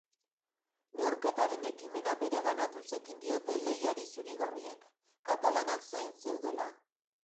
Neurketaren ekimena bereganatuz ekin diote lehiari zuri-gorriek, katalanak zain zeudela.